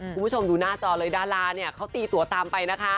คุณผู้ชมดูหน้าจอเลยดาราเนี่ยเขาตีตัวตามไปนะคะ